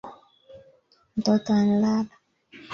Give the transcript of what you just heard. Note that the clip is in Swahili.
Mtoto anlala